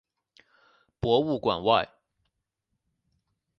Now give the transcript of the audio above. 博物馆外